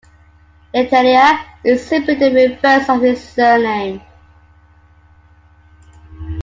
"Etteilla" is simply the reverse of his surname.